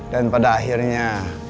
dan pada akhirnya